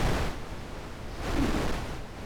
Ttessent.